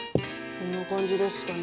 こんな感じですかね。